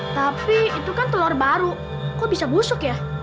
tapi itu kan telur baru kok bisa busuk ya